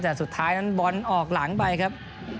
แต่สุดท้ายนั้นบอลออกหลังไปครับ